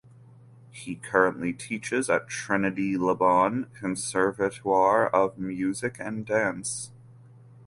He currently teaches at Trinity Laban Conservatoire of Music and Dance.